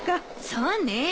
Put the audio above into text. そうね。